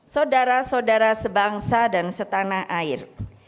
saudara saudara sebangsa dan setanah air